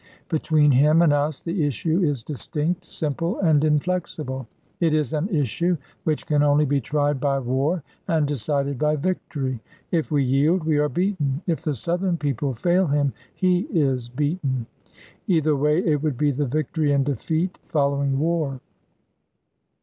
Between him and us the issue is distinct, simple, and inflexible. It is an issue which can only be tried by war, and decided by victory. If we yield, we are beaten; if the Southern people fail him, he is beaten. Either way, it would be the victory and defeat following war.